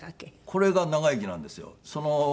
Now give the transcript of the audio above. これが長生きなんですよ。